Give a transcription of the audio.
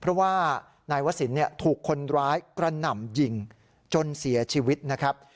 เพราะว่านายวศิลป์ถูกคนร้ายกระหน่ำยิงจนเสียชีวิตนะครับ